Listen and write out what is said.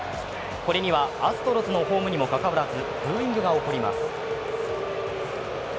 これには、アストロズのホームにもかかわらずブーイングが起こります。